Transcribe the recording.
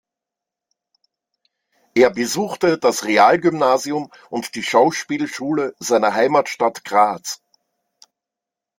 Er besuchte das Realgymnasium und die Schauspielschule seiner Heimatstadt Graz.